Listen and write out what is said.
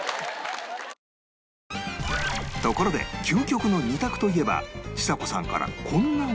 ところで究極の２択といえばちさ子さんからこんな話題が